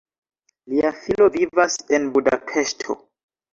Lia filo vivas en Budapeŝto.